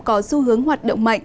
có xu hướng hoạt động